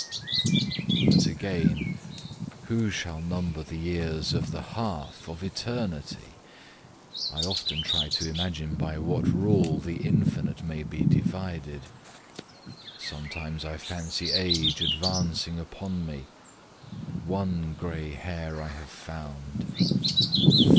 But again, who shall number the years of the half of eternity? I often try to imagine by what rule the infinite may be divided. Sometimes I fancy age advancing upon me. One gray hair I have found.